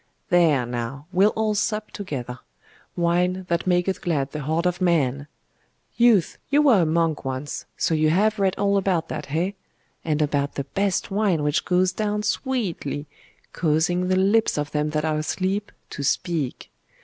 'There, now; we'll all sup together. Wine, that maketh glad the heart of man! Youth, you were a monk once, so you have read all about that, eh? and about the best wine which goes down sweetly, causing the lips of them that are asleep to speak.